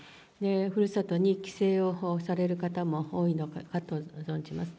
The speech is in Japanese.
ふるさとに帰省をされる方も多いのかと存じます。